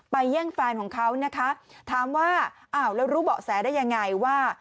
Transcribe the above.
แย่งแฟนของเขานะคะถามว่าอ้าวแล้วรู้เบาะแสได้ยังไงว่า